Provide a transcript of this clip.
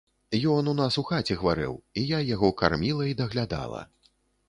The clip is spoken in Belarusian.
Ён у нас у хаце хварэў, і я яго карміла і даглядала.